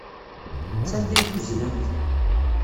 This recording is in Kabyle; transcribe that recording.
Sanda ay t-uznent?